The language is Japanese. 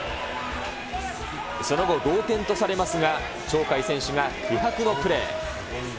その後、同点とされますが、鳥海選手が気迫のプレー。